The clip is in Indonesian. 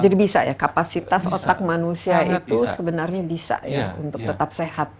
jadi bisa ya kapasitas otak manusia itu sebenarnya bisa untuk tetap sehat